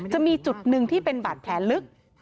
จะมีจุดหนึ่งที่เป็นบาดแผลลึก